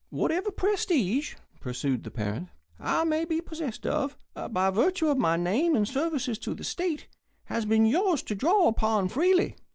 "Whatever prestige," pursued the parent, "I may be possessed of, by virtue of my name and services to the state, has been yours to draw upon freely.